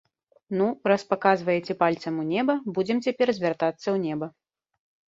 Ну, раз паказваеце пальцам у неба, будзем цяпер звяртацца ў неба.